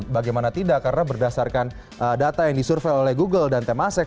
bagaimana tidak karena berdasarkan data yang disurvey oleh google dan temasek